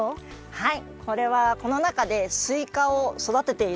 はい！